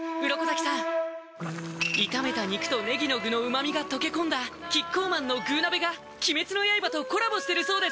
鱗滝さん炒めた肉とねぎの具の旨みが溶け込んだキッコーマンの「具鍋」が鬼滅の刃とコラボしてるそうです